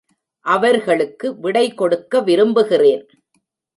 அவர்களுக்கு விடை கொடுக்க விரும்புகிறேன்.